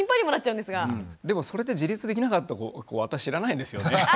でもそれで自立できなかった子私知らないんですよね。